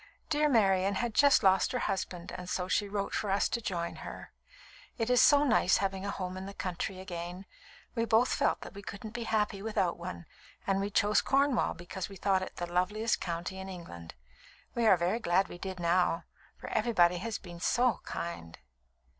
"Dear Marian had just lost her husband, and so she wrote for us to join her. It is so nice having a home in the country again. We both felt we couldn't be happy without one, and we chose Cornwall because we thought it the loveliest county in England. We are very glad we did, now, for everybody has been so kind."